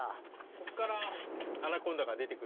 ここからアナコンダが出てくる。